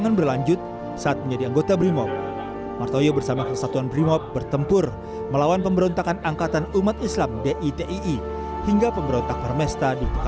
kalau orang ngerasakan mereka akan menembak orang yang tertentu